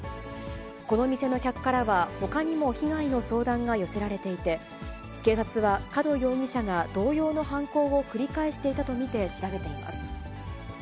この店の客からは、ほかにも被害の相談が寄せられていて、警察は、門容疑者が同様の犯行を繰り返していたと見て調べています。